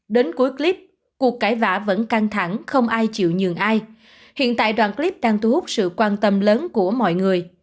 đến cuối clip cuộc cải vã vẫn căng thẳng không ai chịu nhường ai hiện tại đoạn clip đang thu hút sự quan tâm lớn của mọi người